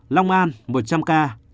long an một trăm linh ca